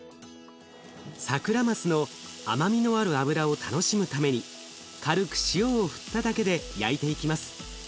サクラマスの甘みのある脂を楽しむために軽く塩を振っただけで焼いていきます。